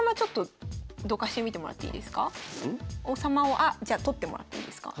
王様をあじゃ取ってもらっていいですか？